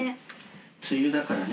梅雨だからね